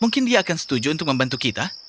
mungkin dia akan setuju untuk membantu kita